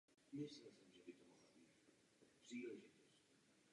Nikdy se mu však nepodařilo získat Stanley Cup.